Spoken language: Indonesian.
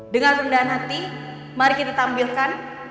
dengan rendahan hati mari kita tampilkan